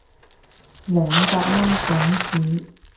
二百蚊港紙